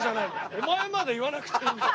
お前まで言わなくていいんだよ。